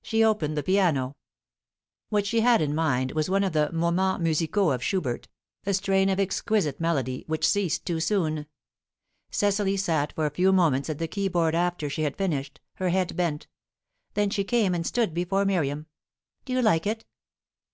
She opened the piano. What she had in mind was one of the "Moments Musicaux" of Schubert a strain of exquisite melody, which ceased too soon. Cecily sat for a few moments at the key board after she had finished, her head bent; then she came and stood before Miriam. "Do you like it?"